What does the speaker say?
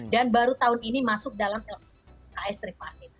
dan baru tahun ini masuk dalam lks tripartit